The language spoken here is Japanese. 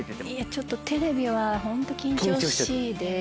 ちょっとテレビはホント緊張しぃで。